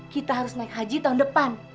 kita harus naik haji tahun depan